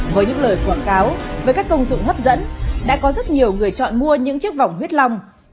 với những lời quảng cáo với các công dụng hấp dẫn đã có rất nhiều người chọn mua những chiếc vòng huyết long